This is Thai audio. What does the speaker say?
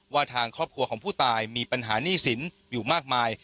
ว่าทางครอบครัวของผู้ตายมีปัญหาหนี้สินอยู่มากมาย